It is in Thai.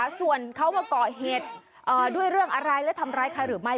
ส่วนเขามาก่อเหตุด้วยเรื่องอะไรและทำร้ายใครหรือไม่